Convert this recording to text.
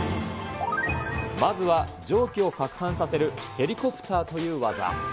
まずは、蒸気をかくはんさせるヘリコプターという技。